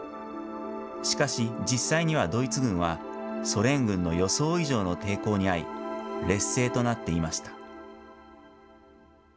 しかし、実際にはドイツ軍はソ連軍の予想以上の抵抗にあい、劣勢となっていました。